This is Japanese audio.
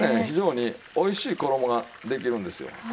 非常においしい衣ができるんですよ。